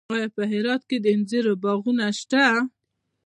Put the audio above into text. آیا په هرات کې د انځرو باغونه شته؟